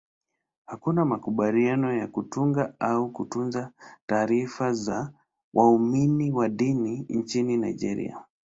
Hakuna makubaliano ya kutunga au kutunza taarifa za waumini wa dini nchini Nigeria.